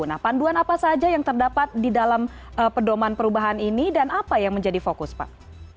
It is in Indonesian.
nah panduan apa saja yang terdapat di dalam pedoman perubahan ini dan apa yang menjadi fokus pak